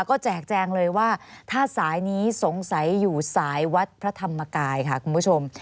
ก็แจกแจงเลยว่าถ้าสายนี้สงสัยอยู่สายวัดพระธรรมกายค่ะคุณผู้ชม